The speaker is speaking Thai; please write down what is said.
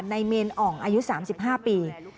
ในเมนอ่องอายุ๓๕ปี